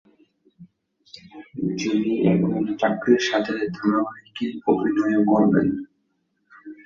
যিনি এখন চাকরির সাথে ধারাবাহিকে অভিনয়ও করেন।